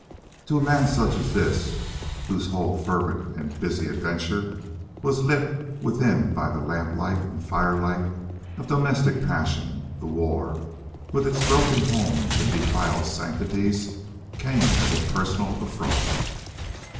To a man such as this, whose whole fervent and busy adventure was lit within by the lamplight and firelight of domestic passion, the war, with its broken homes and defiled sanctities, came as a personal affront.